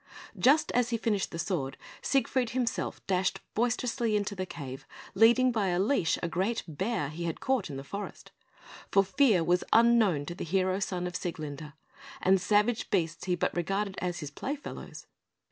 Just as he finished the sword, Siegfried himself dashed boisterously into the cave, leading by a leash a great bear he had caught in the forest; for fear was unknown to the hero son of Sieglinde, and savage beasts he but regarded as his play fellows.